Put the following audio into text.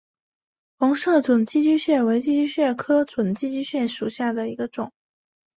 红色准寄居蟹为寄居蟹科准寄居蟹属下的一个种。